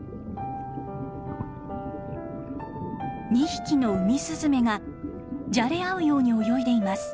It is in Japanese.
２匹のウミスズメがじゃれ合うように泳いでいます。